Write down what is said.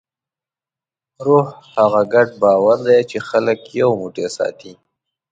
روح هغه ګډ باور دی، چې خلک یو موټی ساتي.